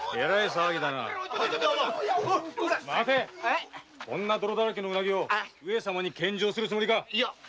そんな泥だらけを上様に献上するつもりか！